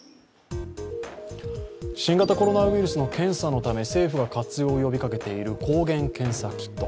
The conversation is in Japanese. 新型コロナウイルスの検査のため政府が活用を呼びかけている抗原検査キット。